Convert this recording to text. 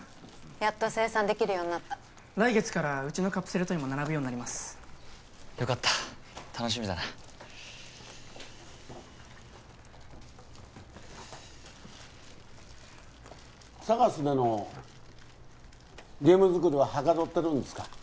やっと生産できるようになった来月からうちのカプセルトイも並ぶようになりますよかった楽しみだなＳＡＧＡＳでのゲーム作りははかどってるんですか？